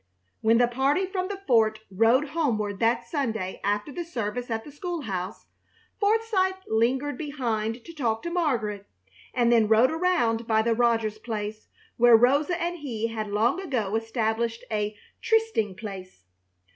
When the party from the fort rode homeward that Sunday after the service at the school house, Forsythe lingered behind to talk to Margaret, and then rode around by the Rogers place, where Rosa and he had long ago established a trysting place.